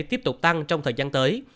tiếp tục tăng trong thời gian tới